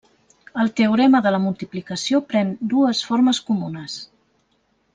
El teorema de la multiplicació pren dues formes comunes.